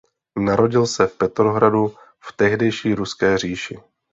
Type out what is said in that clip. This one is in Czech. Narodil se v Petrohradu v tehdejší Ruské říši.